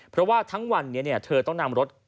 เพราะว่าทั้งวันนี้เธอต้องนำรถ